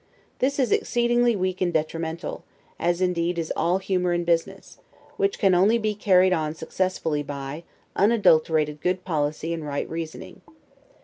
This is exceedingly weak and detrimental, as indeed is all humor in business; which can only be carried on successfully by, unadulterated good policy and right reasoning.